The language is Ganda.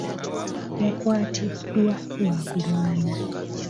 Yakwatiddwa lwa kulwana.